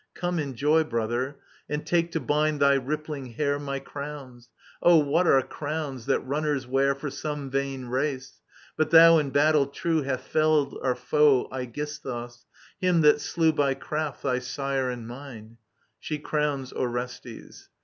Q^me in joy, Brother, and take to bind thy ripph'ng hair My crowns I ••• O what are crowns, that runners wear For some vain race ? But thou in battle true » Hast felled our foe Aegisthus, him that slew By craft thy sire and mine. [Shi crowns Orestes.